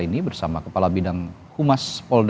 si istri masih berada di dalam mobil